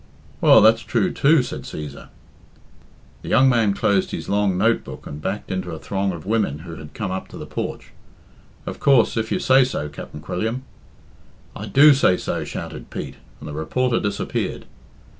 "Well, that's true, too," said Cæsar. The young man closed his long note book and backed into a throng of women who had come up to the porch. "Of course, if you say so, Capt'n Quilliam " "I do say so," shouted Pete; and the reporter disappeared.